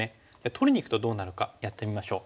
取りにいくとどうなのかやってみましょう。